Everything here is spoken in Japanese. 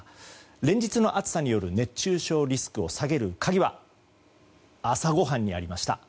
連日の暑さによる熱中症リスクを下げる鍵は朝ごはんにありました。